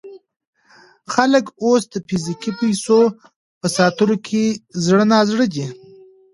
خلک اوس د فزیکي پیسو په ساتلو کې زړه نا زړه دي.